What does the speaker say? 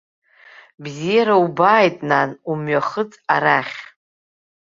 Бзиара убааит, нан, умҩахыҵ арахь.